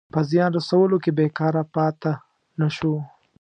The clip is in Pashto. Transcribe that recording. په زیان رسولو کې بېکاره پاته نه شو.